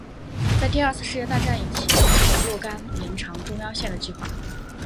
在第二次世界大战以前已经有若干延长中央线的计划。